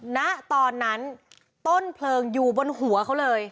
ณตอนนั้นต้นเพลิงอยู่บนหัวเขาเลย